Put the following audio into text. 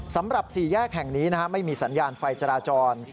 สี่แยกแห่งนี้ไม่มีสัญญาณไฟจราจร